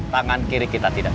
tangan kiri kita tidak